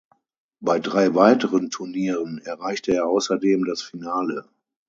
Bei drei weiteren Turnieren erreichte er außerdem das Finale.